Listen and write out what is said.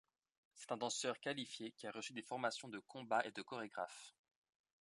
C'est un danseur qualifié qui a reçu des formations de combats et de chorégraphe.